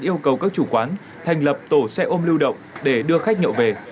yêu cầu các chủ quán thành lập tổ xe ôm lưu động để đưa khách nhậu về